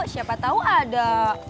siapa tahu ada